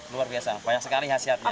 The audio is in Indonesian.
luar biasa banyak sekali hasilnya